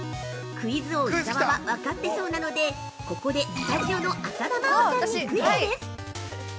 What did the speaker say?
クイズ王・伊沢は分かってそうなのでここで、スタジオの浅田真央さんにクイズです。